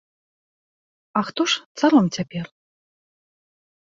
А хто ж царом цяпер?